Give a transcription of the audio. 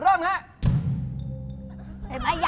เห็นไหมใหญ่